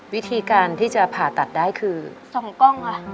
วิธีการที่จะผ่าตัดได้คือ๒กล้องค่ะ